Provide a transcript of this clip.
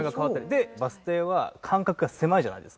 でバス停は間隔が狭いじゃないですか。